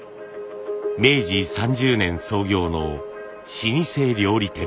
明治３０年創業の老舗料理店。